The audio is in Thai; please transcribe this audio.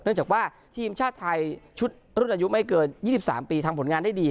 เนื่องจากว่าทีมชาติไทยชุดรุ่นอายุไม่เกินยี่สิบสามปีทางผลงานได้ดี